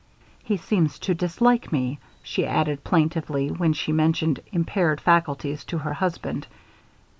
"He seems to dislike me," she added, plaintively, when she mentioned "impaired faculties" to her husband.